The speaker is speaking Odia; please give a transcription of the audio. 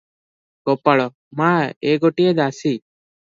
ଗୋପାଳ - ମା, ଏ ଗୋଟିଏ ଦାସୀ ।